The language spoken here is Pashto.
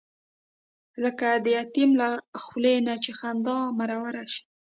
لکه د یتیم له خولې نه چې خندا مروره شي.